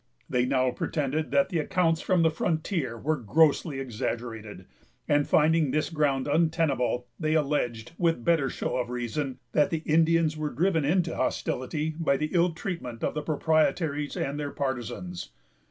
They now pretended that the accounts from the frontier were grossly exaggerated; and, finding this ground untenable, they alleged, with better show of reason, that the Indians were driven into hostility by the ill treatment of the proprietaries and their partisans.